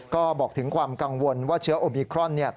ก็บอกถึงความกังวลว่าเชื้อโอมิครอน